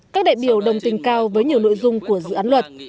các đại biểu đồng tình cao với nhiều nội dung của dự án luật